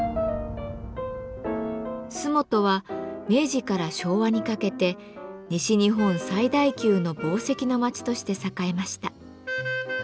洲本は明治から昭和にかけて西日本最大級の紡績の街として栄えました。